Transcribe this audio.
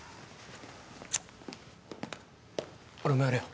俺もやるよ。